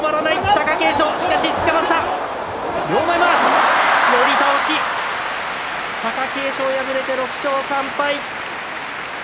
貴景勝も敗れて６勝３敗。